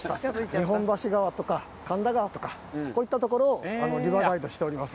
日本橋川とか神田川とかこういったところをリバーガイドしております